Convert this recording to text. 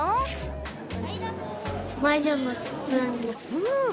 うん。